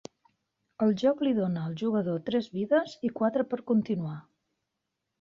El joc li dona al jugador tres vides i quatre per continuar.